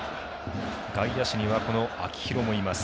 外野手には秋広もいます。